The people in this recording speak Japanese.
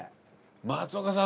松岡さん